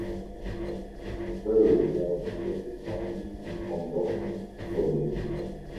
Cui was born in Linzi County in Shandong Province.